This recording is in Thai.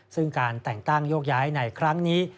ซึ่งการแต่งตั้งโยกย้ายในครั้งนี้